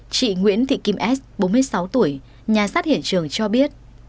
chị nguyễn thị kim s bốn mươi sáu tuổi nhà sát hiện trường cho biết